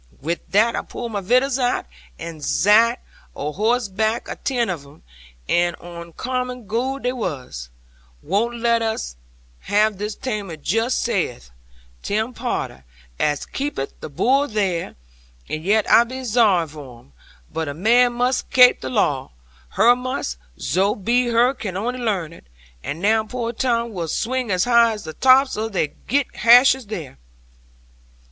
'Wi' that I pulled my vittles out, and zat a horsebarck, atin' of 'em, and oncommon good they was. "Won't us have 'un this taime just," saith Tim Potter, as keepeth the bull there; "and yet I be zorry for 'un. But a man must kape the law, her must; zo be her can only learn it. And now poor Tom will swing as high as the tops of they girt hashes there."